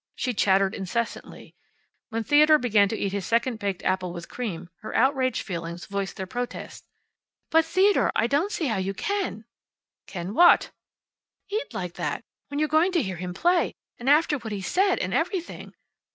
She chattered incessantly. When Theodore began to eat his second baked apple with cream, her outraged feelings voiced their protest. "But, Theodore, I don't see how you can!" "Can what?" "Eat like that. When you're going to hear him play. And after what he said, and everything."